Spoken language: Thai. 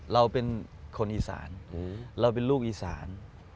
เราเป็นคนอีสานเราเป็นลูกอีสาน